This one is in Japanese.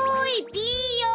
ピーヨン